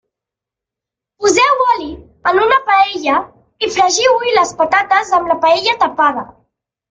Poseu oli en una paella i fregiu-hi les patates amb la paella tapada.